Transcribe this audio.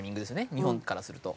日本からすると。